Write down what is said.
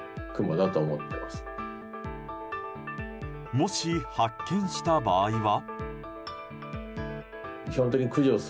もし発見した場合は？